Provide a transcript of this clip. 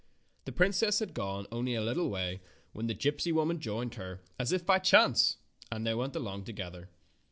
The princess had gone only a little way when the gypsy woman joined her, as if by chance, and they went along together.